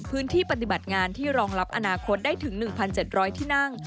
พื้นที่ปฏิบัติงานที่รองรับอนาคตได้ถึง๑๗๐๐ที่นั่ง